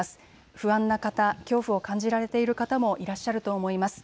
不安な方、恐怖を感じられている方もいらっしゃると思います。